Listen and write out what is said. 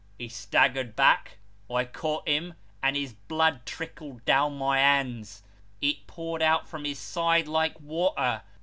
He staggered back, I caught him, and his blood trickled down my hands. It poured out from his side like water.